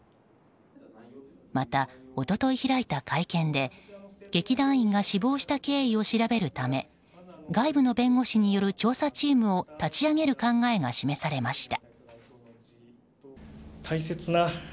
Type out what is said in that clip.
また一昨日開いた会見で劇団員が死亡した経緯を調べるため外部の弁護士による調査チームを立ち上げる考えが示されました。